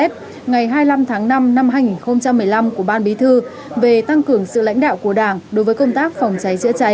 ngày hai mươi năm tháng năm năm hai nghìn một mươi năm của ban bí thư về tăng cường sự lãnh đạo của đảng đối với công tác phòng cháy chữa cháy